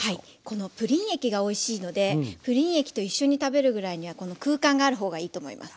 このプリン液がおいしいのでプリン液と一緒に食べるぐらいにはこの空間がある方がいいと思います。